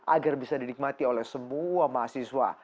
agar bisa dinikmati oleh semua mahasiswa